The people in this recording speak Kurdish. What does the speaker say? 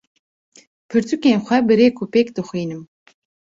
Pirtûkên xwe bi rêk û pêk dixwînim.